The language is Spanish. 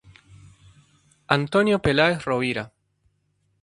Antonio Peláez Rovira.